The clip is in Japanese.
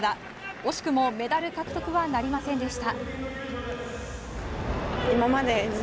惜しくもメダル獲得はなりませんでした。